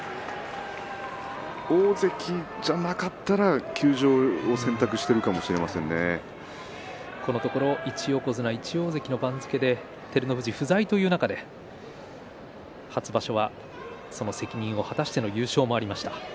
大関でなかったら休場を選択していたかも１横綱１大関の番付で照ノ富士不在という中で初場所はその責任を果たしての優勝もありました。